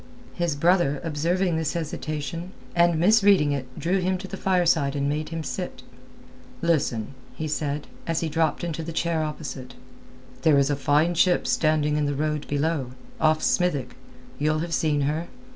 His brother observing this hesitation, and misreading it drew him to the fireside and made him sit. "Listen," he said, as he dropped into the chair opposite. "There is a fine ship standing in the road below, off Smithick. You'll have seen her.